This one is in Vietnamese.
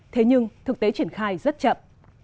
thế nhưng thực tế triển khai rất chậm